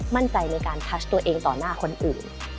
มั่นใจในการทักตัวเองต่อหน้าคนอื่น